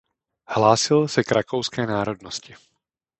Hlásil se k rakouské národnosti.